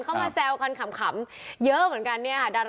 คือตอนนั้นหมากกว่าอะไรอย่างเงี้ย